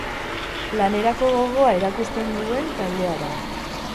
Lanerako gogoa erakusten due ntaldea da.